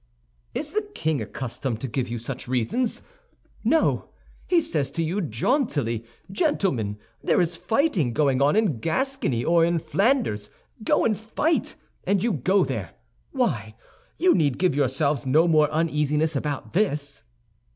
"Is the king accustomed to give you such reasons? No. He says to you jauntily, 'Gentlemen, there is fighting going on in Gascony or in Flanders; go and fight,' and you go there. Why? You need give yourselves no more uneasiness about this."